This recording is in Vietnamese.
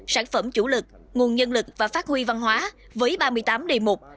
sản phẩm chủ lực nguồn nhân lực và phát huy văn hóa với ba mươi tám đề mục